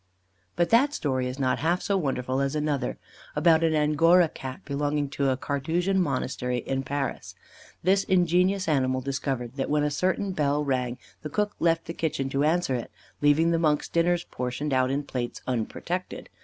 But that story is not half so wonderful as another, about an Angora Cat belonging to a Carthusian monastery at Paris. This ingenious animal discovered that, when a certain bell rang, the cook left the kitchen to answer it, leaving the monks' dinners, portioned out in plates, unprotected.